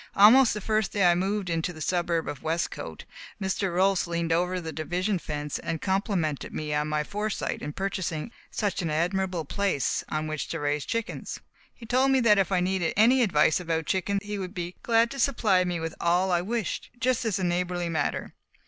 Almost the first day I moved into the suburb of Westcote, Mr. Rolfs leaned over the division fence and complimented me on my foresight in purchasing such an admirable place on which to raise chickens. He told me that if I needed any advice about chickens he would be glad to supply me with all I wished, just as a neighbourly matter.